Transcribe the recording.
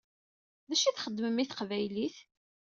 D acu i txedmem i teqbaylit?